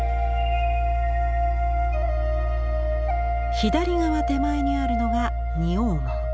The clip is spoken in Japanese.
左側手前にあるのが仁王門。